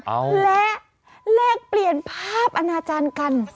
เอาและแลกเปลี่ยนภาพอนาจารย์กัน